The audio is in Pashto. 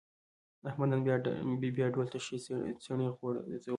احمد نن بیا ډول ته ښې څڼې غورځولې.